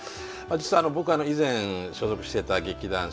実は僕が以前所属していた劇団笑